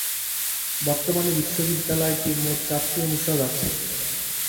বর্তমানে বিশ্ববিদ্যালয়টির মোট চারটি অনুষদ আছে।